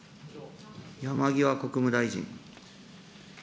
山際国務大臣。